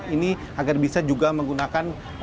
ini agar bisa juga menggunakan